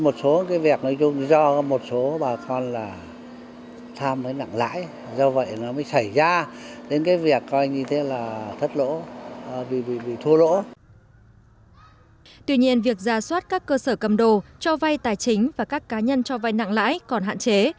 tuy nhiên việc ra soát các cơ sở cầm đồ cho vay tài chính và các cá nhân cho vai nặng lãi còn hạn chế